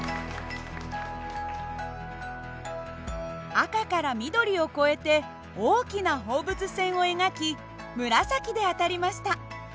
赤から緑を越えて大きな放物線を描き紫で当たりました。